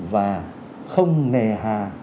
và không nề hà